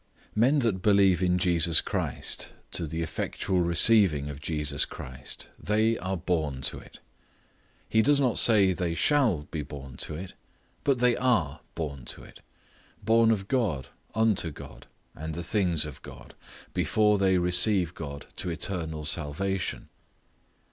Men that believe in Jesus Christ to the effectual receiving of Jesus Christ, they are born to it. He does not say they shall be born to it, but they are born to it; born of God, unto God, and the things of God, before they receive God to eternal salvation.